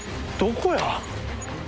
どこや？